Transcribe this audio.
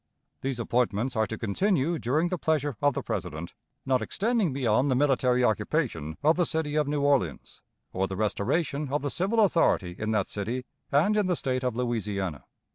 These appointments are to continue during the pleasure of the President, not extending beyond the military occupation of the city of New Orleans, or the restoration of the civil authority in that city and in the State of Louisiana.